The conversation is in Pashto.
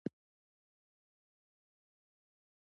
لطفاً ، د لهجې اغیز وښایست نه د لغات په بدلون سره!